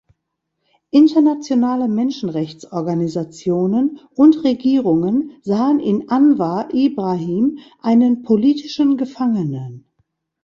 Internationale Menschenrechtsorganisationen und Regierungen sahen in Anwar Ibrahim einen politischen Gefangenen.